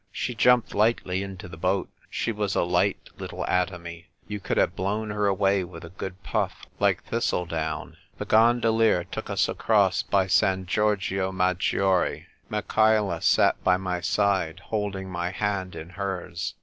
She jumped hghtly into the boat ; she was a light httle atomy ; you could have blov/n her away with a good puff, like thistledown. The gondolier took us across by San Giorgio Maggiore. Michaela sat by my side, holding my hand in hers.